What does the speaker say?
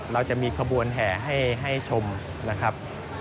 เราจะมีขบวนแห่ให้ชมนะครับ